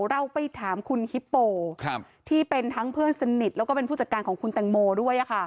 เราไปถามคุณฮิปโปที่เป็นทั้งเพื่อนสนิทแล้วก็เป็นผู้จัดการของคุณแตงโมด้วย